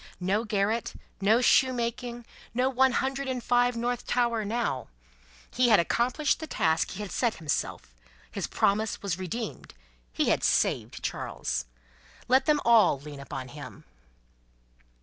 No garret, no shoemaking, no One Hundred and Five, North Tower, now! He had accomplished the task he had set himself, his promise was redeemed, he had saved Charles. Let them all lean upon him.